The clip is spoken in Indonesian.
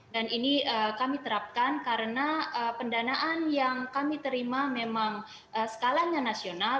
dan ini kami terapkan karena pendanaan yang kami terima memang skalanya nasional